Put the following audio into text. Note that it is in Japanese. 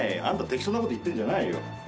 あんた適当なこと言ってんじゃないよ。